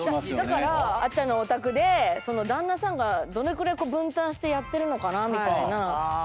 だからあっちゃんのお宅で旦那さんどれぐらい分担してやってるのかなみたいな。